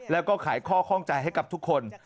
แล้วก็ขายข้อข้องใจให้กับทุกคน